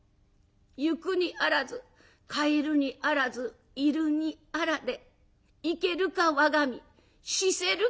「ゆくにあらず帰るにあらず居るにあらで生けるか我が身死せるかこの身」。